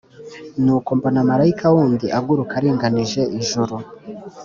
Nuko mbona Marayika wundi aguruka aringanije ijuru,